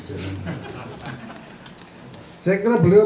saya kira beliau